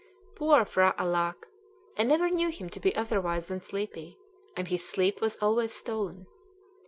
Poor P'hra Alâck! I never knew him to be otherwise than sleepy, and his sleep was always stolen.